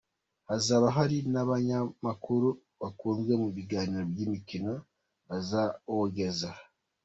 Hazaba hari n’abanyamakuru bakunzwe mu biganiro by’imikino, bazawogeza.